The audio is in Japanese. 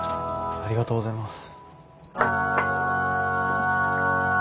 ありがとうございます。